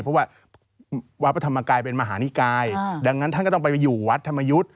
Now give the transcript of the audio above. เพราะว่าวัดพระธรรมกายเป็นมหานิกายดังนั้นท่านก็ต้องไปอยู่วัดธรรมยุทธ์